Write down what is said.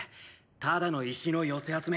ただの石の寄せ集め。